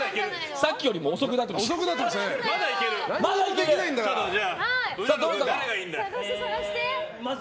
さっきよりも遅くなってました。